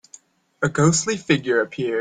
A ghostly figure appeared.